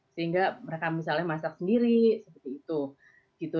sehingga mereka misalnya masak sendiri seperti itu gitu